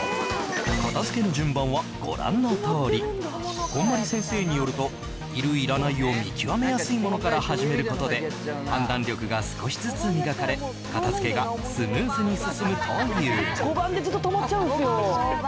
片づけの順番はご覧のとおりこんまり先生によるといるいらないを見極めやすいモノから始めることで判断力が少しずつ磨かれ片づけがスムーズに進むという５番で絶対止まっちゃうんですよ